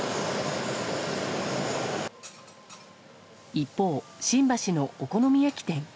一方、新橋のお好み焼き店。